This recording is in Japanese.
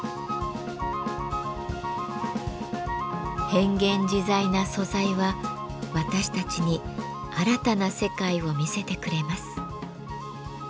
変幻自在な素材は私たちに新たな世界を見せてくれます。